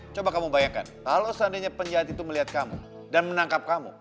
coba kamu bayangkan kalau seandainya penjahat itu melihat kamu dan menangkap kamu